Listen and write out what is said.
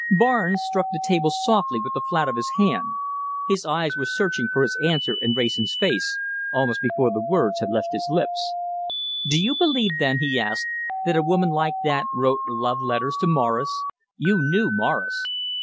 Barnes struck the table softly with the flat of his hand. His eyes were searching for his answer in Wrayson's face, almost before the words had left his lips. "Do you believe then," he asked, "that a woman like that wrote love letters to Morris? You knew Morris.